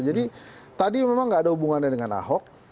jadi tadi memang nggak ada hubungannya dengan ahok